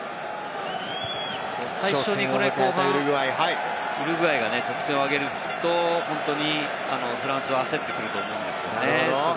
最初にウルグアイが得点を挙げると、本当にフランスは焦ってくると思うんですよね。